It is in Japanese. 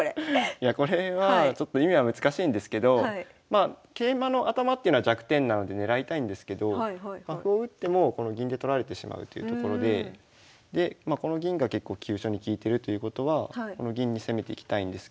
いやこれはちょっと意味は難しいんですけど桂馬の頭っていうのは弱点なので狙いたいんですけど歩を打ってもこの銀で取られてしまうというところでこの銀が結構急所に利いてるということはこの銀に攻めていきたいんですけど。